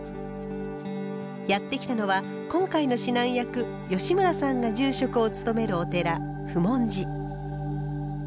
やって来たのは今回の指南役吉村さんが住職を務めるお寺普門寺。